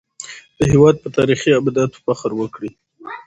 د هېواد په تاريخي ابداتو فخر وکړئ.